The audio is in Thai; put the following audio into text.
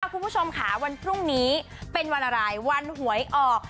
คุณผู้ชมค่ะวันพรุ่งนี้เป็นวันอะไรวันหวยออก